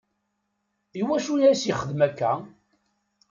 I wacu i as-yexdem akka?